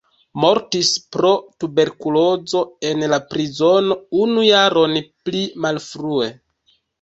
Mortis pro tuberkulozo en la prizono unu jaron pli malfrue.